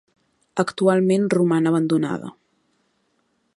Actualment roman abandonada.